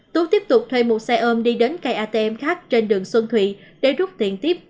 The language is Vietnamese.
tú tiếp tục thuê một xe ôm đi đến cây atm khác trên đường xuân thụy để rút tiền tiếp